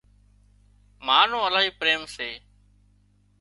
ما نو الاهي پريم سي